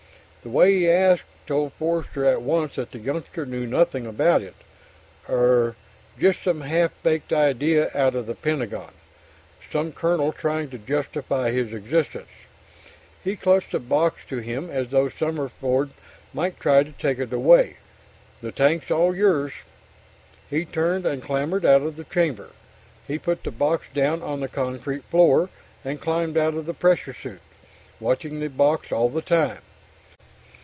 The way he asked told Forster at once that the youngster knew nothing about it. "Er just some half baked idea out of the Pentagon. Some colonel trying to justify his existence." He clutched the box to him as though Summerford might try to take it away. "The tank's all yours." He turned and clambered out of the chamber. He put the box down on the concrete floor, and climbed out of the pressure suit, watching the box all the time.